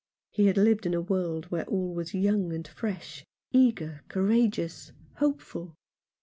He had lived in a world where all was young and fresh, eager, courageous, hopeful.